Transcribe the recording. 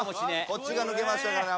こっち側抜けましたから。